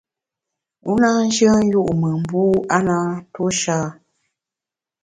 U na nyùen yu’ mùn mbu (w) a na ntuo sha.